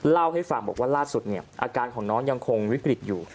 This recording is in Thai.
เล่าให้ฟังบอกว่าล่าสุดเนี่ยอาการของน้องยังคงวิกฤตอยู่